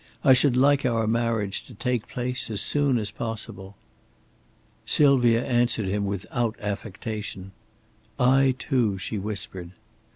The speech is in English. I should like our marriage to take place as soon as possible." Sylvia answered him without affectation. "I, too," she whispered.